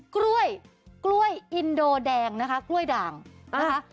กล้วยกล้วยอินโดแดงนะคะกล้วยด่างนะคะ